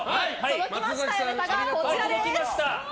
届きましたネタがこちらです。